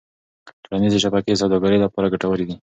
ټولنيزې شبکې د سوداګرۍ لپاره ګټورې دي.